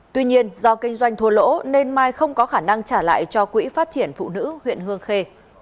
tuy nhiên do kinh doanh thua lỗ nên mai không có khả năng trả lại cho quỹ phát triển phụ nữ huyện hương khê